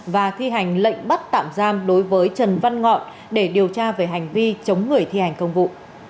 và thi hành lệnh bắt tạm giam đối với trần văn ngọn để điều tra về hành vi chống người thi hành công vụ